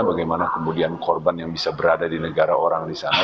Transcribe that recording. bagaimana kemudian korban yang bisa berada di negara orang di sana